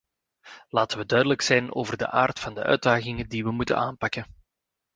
Laten we duidelijk zijn over de aard van de uitdagingen die we moeten aanpakken.